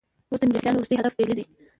اوس د انګلیسیانو وروستی هدف ډهلی وو.